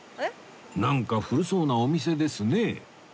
なんか古そうなお店ですね